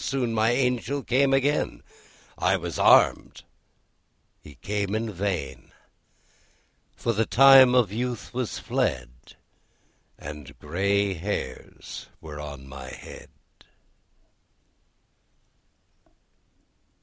Soon my Angel came again; I was armed, he came in vain; For the time of youth was fled, And grey hairs were on my head.